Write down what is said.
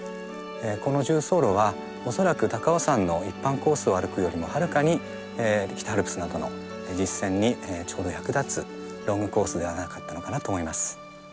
この縦走路は恐らく高尾山の一般コースを歩くよりもはるかに北アルプスなどの実践にちょうど役立つロングコースではなかったのかなと思います。